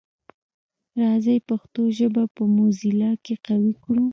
راځی پښتو ژبه په موزیلا کي قوي کړو.